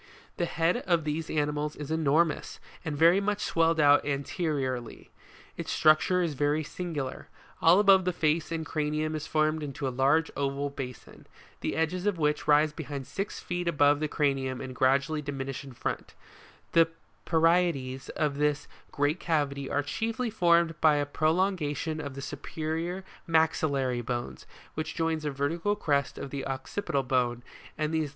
The head of these animals is enormous, and very much swelled out anteriorly. Its structure is very singular; all above the face and cranium is formed into a large oval basin, the edges of which rise behind six feet above the cranium and gradu ally diminish in front ; the parietes of this great cavity are chiefly formed by a prolongation of the superior maxillary bones, which joins a vertical crest of the occipital bone, and these latter give in 39.